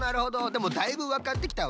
でもだいぶわかってきたわ。